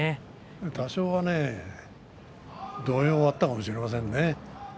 多少、動揺があったかもしれません。